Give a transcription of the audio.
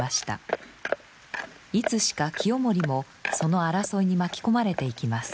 いつしか清盛もその争いに巻き込まれていきます。